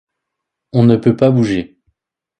On ne peut pas bouger.